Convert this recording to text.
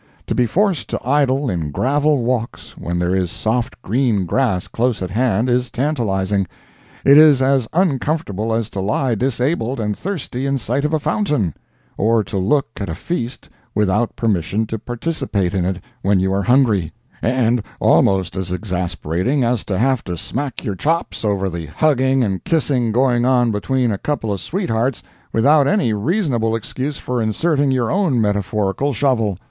To be forced to idle in gravel walks when there is soft green grass close at hand, is tantalizing; it is as uncomfortable as to lie disabled and thirsty in sight of a fountain; or to look at a feast without permission to participate in it, when you are hungry; and almost as exasperating as to have to smack your chops over the hugging and kissing going on between a couple of sweethearts without any reasonable excuse for inserting your own metaphorical shovel.